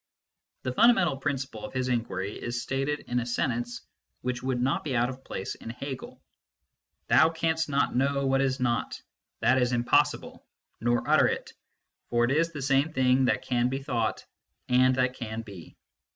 The fundamental principle of his inquiry is stated in a sentence which would not be out of place in Hegel :" Thou canst not know what is not that is impossible nor utter it ; for it is the same thing that can be thought and that can be."